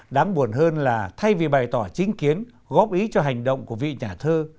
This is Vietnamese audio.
đáng buồn hơn là thay vì bày tỏ chính kiến góp ý cho hành động của vị nhà thơ